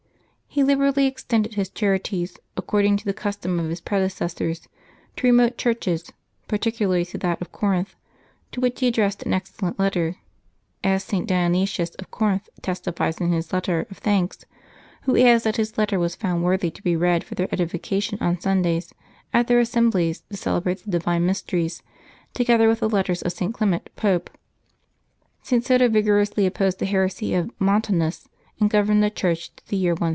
He liberally extended his charities, according to the custom of his predecessors, to remote churches, particularly to that of Corinth, to which he addressed an excellent letter, as St. Dionysius of Corinth testifies in his letter of thanks, who adds that his letter was found worthy to be read for their edification on Sundays at their assemblies to celebrate the divine mysteries, together with the letter of St. Clement, pope. St. Soter vigorously opposed the heresy of Montanus, and governed the Church to the year 177.